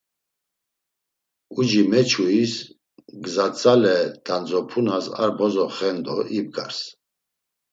Uci meçuis gzatzale dandzepunas ar bozo xen do ibgars.